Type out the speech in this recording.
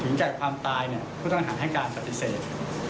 ถึงแก่ความตายผู้ตังหาให้การกับพิเศษ